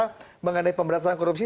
bicara mengenai pemberantasan korupsi